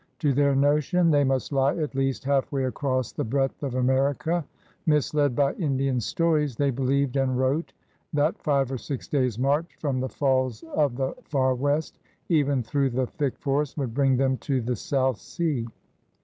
To their notion they must lie at least half way across the breadth of America. Misled by Indian stories, they believed and wrote that five or six days' march from the Falls of the Farre West, even through the thick forest, would bring them to the South Sea.